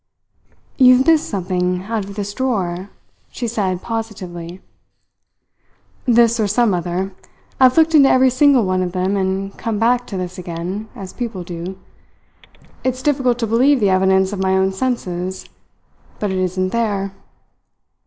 "You have missed something out of this drawer," she said positively. "This or some other. I have looked into every single one of them and come back to this again, as people do. It's difficult to believe the evidence of my own senses; but it isn't there.